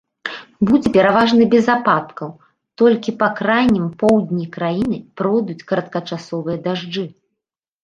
Будзе пераважна без ападкаў, толькі па крайнім поўдні краіны пройдуць кароткачасовыя дажджы.